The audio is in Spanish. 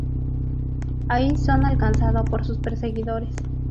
Allí son alcanzado por sus perseguidores.